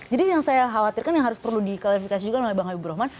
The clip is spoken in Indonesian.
jadi yang saya khawatirkan yang harus perlu diklarifikasi juga oleh bang habibur rahman